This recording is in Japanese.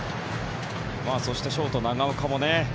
そしてショート、長岡もね。